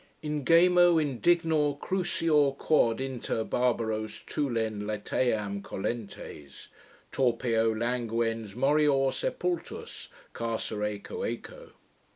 Ingemo, indignor, crucior, quod inter Barbaros Thulen lateam colentes; Torpeo languens, morior sepultus, Carcere coeco.